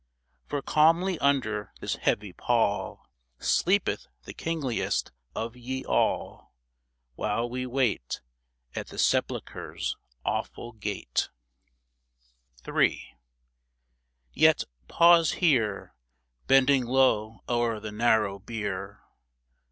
_ For calmly under this heavy pall Sleepeth the kingliest of ye all, While we wait At the sepulchre's awful gate ! 98 THE DEAD CENTURY III. Yet — pause here, Bending low o'er the narrow bier!